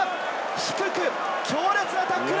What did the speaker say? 低い強烈なタックル！